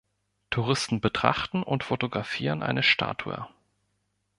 Touristen betrachten und fotografieren eine Statue.